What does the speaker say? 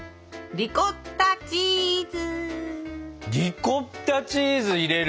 リコッタチーズ入れる？